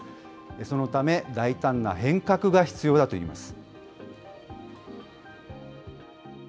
そのため大胆な変革が必要だといいます。